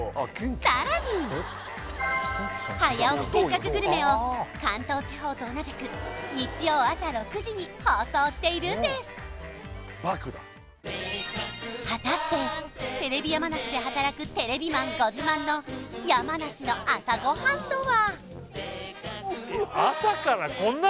さらに「早起きせっかくグルメ！！」を関東地方と同じく日曜朝６時に放送しているんです果たしてテレビ山梨で働くテレビマンご自慢の山梨の朝ごはんとは？